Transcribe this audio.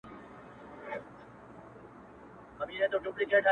تر ړانده تقلید تفکر او مراقبې باندي بوخت سو